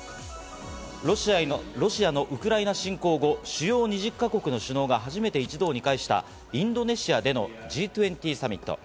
ロシアのウクライナ侵攻後、主要２０か国の首脳が初めて、一堂に会したインドネシアでのＧ２０サミット。